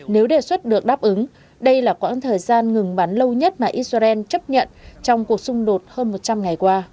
nếu đề xuất được đáp ứng đây là quãng thời gian ngừng bắn lâu nhất mà israel chấp nhận trong cuộc xung đột hơn một trăm linh ngày qua